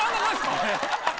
あれ。